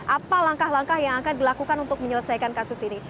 apa langkah langkah yang akan dilakukan untuk menyelesaikan kasus ini